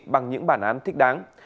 bằng những bản án thích đáng